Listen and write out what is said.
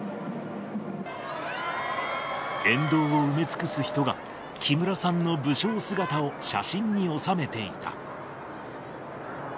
沿道を埋め尽くす人が、木村さんの武将姿を写真に収めていた。